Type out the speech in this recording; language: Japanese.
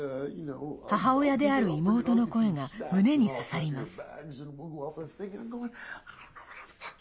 母親である妹の声が胸に刺さります。